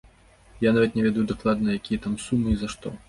Я нават не ведаю дакладна, якія там сумы і за што.